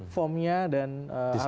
formnya dan harus